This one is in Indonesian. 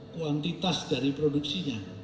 kuantitas dari produksinya